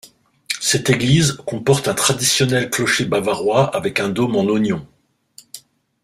Cette église comporte un traditionnel clocher bavarois avec un dôme en oignon.